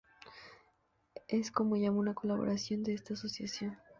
es como llama una colaboradora de esta asociación